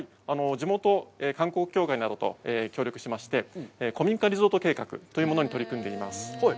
地元観光協会などと協力しまして、古民家リゾート計画というものに取り組んでいます。